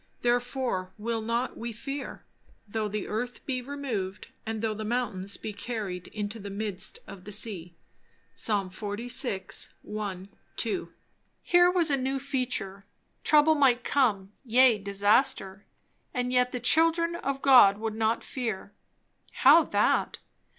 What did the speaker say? Therefore will not we fear, though the earth be removed, and though the mountains be carried into the midst of the sea." Ps. xlvi. 1, 2. Here was a new feature. Trouble might come, yea, disaster; and yet the children of God would not fear. How that?